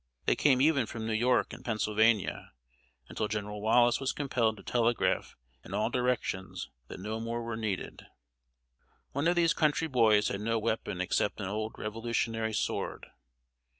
They came even from New York and Pennsylvania, until General Wallace was compelled to telegraph in all directions that no more were needed. One of these country boys had no weapon except an old Revolutionary sword.